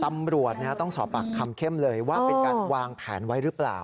ตำรวจต้องสอบปากคำเข้มเลยว่าเป็นการวางแผนไว้หรือเปล่า